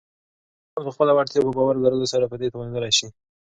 انسان په خپله وړتیا په باور لرلو سره په دې توانیدلی شی